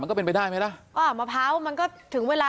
มันก็เป็นไปได้ไหมล่ะ